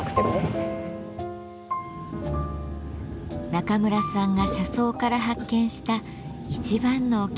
中村さんが車窓から発見した一番のお気に入りは。